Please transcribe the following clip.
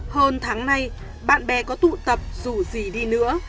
hơn tháng nay bạn bè có tụ tập dù gì đi nữa